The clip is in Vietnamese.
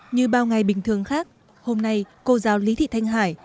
như bao ngày bình thường khác hôm nay cô giáo lý thị thanh hải